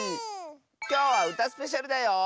きょうは「うたスペシャル」だよ！